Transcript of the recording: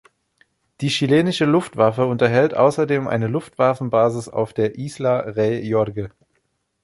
Die chilenische Luftwaffe unterhält außerdem eine Luftwaffenbasis auf der Isla Rey Jorge.